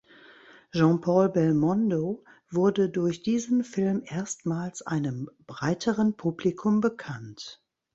Jean-Paul Belmondo wurde durch diesen Film erstmals einem breiteren Publikum bekannt.